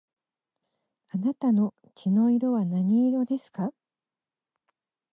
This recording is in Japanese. あなたの血の色は何色ですか